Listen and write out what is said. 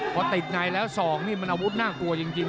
พอติดในแล้ว๒นี่มันอาวุธน่ากลัวจริง